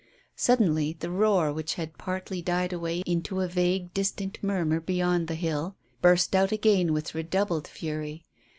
Suddenly the roar, which had partly died away into a vague distant murmur beyond the hill, burst out again with redoubled fury.